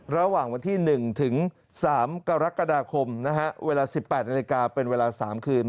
ระหว่างวันที่๑ถึง๓กรกฎาคมเวลา๑๘นาฬิกาเป็นเวลา๓คืน